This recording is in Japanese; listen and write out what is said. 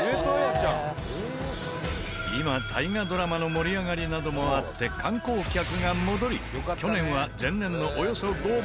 今大河ドラマの盛り上がりなどもあって観光客が戻り去年は前年のおよそ５倍。